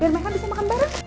biar makan bisa makan bareng